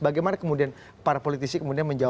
bagaimana kemudian para politisi kemudian menjawab